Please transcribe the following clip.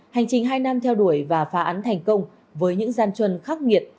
hành trình hai năm theo đuổi và phá án thành công với những gian chuân khắc nghiệt